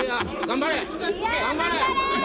頑張れ！